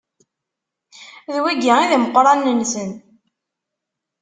D wigi i d imeqranen-nsen.